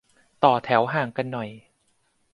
ต่อแถวห่างกันหน่อย